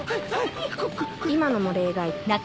今のも例外